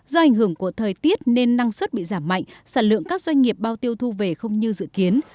do ảnh hưởng của thời tiết nên năng suất bị giảm mạnh sản lượng các doanh nghiệp bao tiêu thu về không như dự kiến